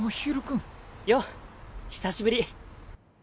よっ久しぶり。